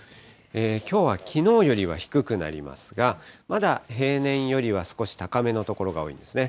きょうはきのうよりは低くなりますが、まだ、平年よりは少し高めの所が多いんですね。